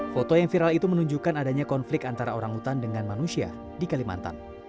foto yang viral itu menunjukkan adanya konflik antara orang hutan dengan manusia di kalimantan